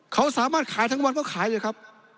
เขาสามารถขายทั้งวันก็ขายเลยครับ